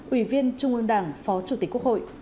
ủy viên trung ương đảng phó chủ tịch quốc hội